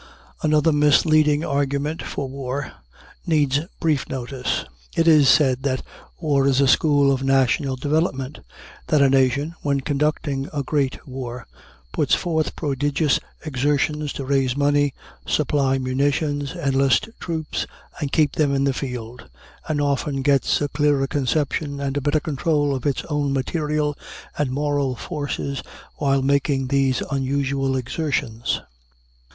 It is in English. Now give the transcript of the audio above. Another misleading argument for war needs brief notice. It is said that war is a school of national development that a nation, when conducting a great war, puts forth prodigious exertions to raise money, supply munitions, enlist troops, and keep them in the field, and often gets a clearer conception and a better control of its own material and moral forces while making these unusual exertions.